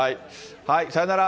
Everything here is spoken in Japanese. さようなら。